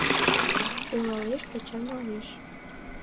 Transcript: Ойлалеш да чарналеш.